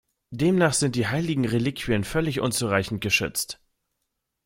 Demnach sind die heiligen Reliquien völlig unzureichend geschützt.